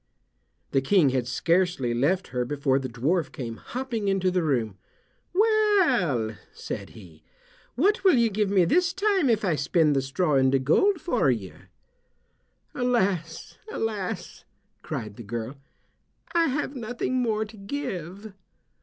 The King had scarcely left her before the dwarf came hopping into the room. "Well," said he, "what will you give me this time if I spin the straw into gold for you?" "Alas, alas!" cried the girl, "I have nothing more to give."